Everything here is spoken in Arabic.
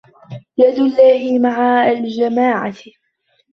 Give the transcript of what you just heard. يَدُ اللهِ مَعَ الجَمَاعَةِ